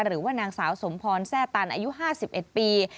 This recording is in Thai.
หรือว่านางสาวสมพรแซ่ตันอายุ๕๑ปี